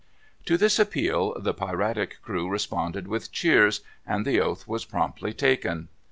To this appeal the piratic crew responded with cheers, and the oath was promptly taken.